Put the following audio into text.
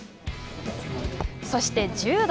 そして、柔道。